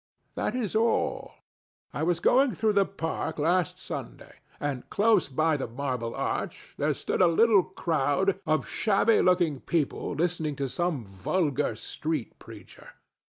That is all. I was going through the park last Sunday, and close by the Marble Arch there stood a little crowd of shabby looking people listening to some vulgar street preacher.